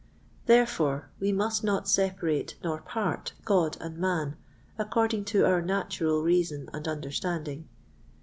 Therefore we must not separate nor part God and man according to our natural reason and understanding.